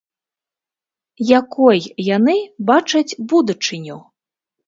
Якой яны бачаць будучыню?